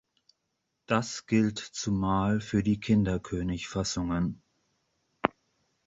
Das gilt zumal für die Kinderkönig-Fassungen.